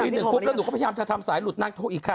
หนึ่งปุ๊บแล้วหนูก็พยายามจะทำสายหลุดนางโทรอีกครั้ง